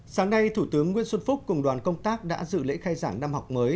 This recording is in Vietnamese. sáng nay thủ tướng nguyễn xuân phúc cùng đoàn công tác đã dự lễ khai giảng năm học mới